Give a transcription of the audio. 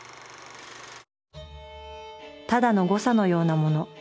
「ただの誤差のようなもの。